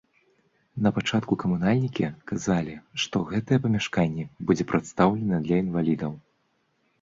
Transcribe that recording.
На пачатку камунальнікі казалі, што гэтае памяшканне будзе прадстаўлена для інвалідаў.